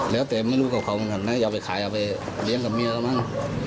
แล้วแต่ไม่รู้ว่าเขาทำอะไรเอาไปขายเอาไปเลี้ยงกับเมียเขาบ้าง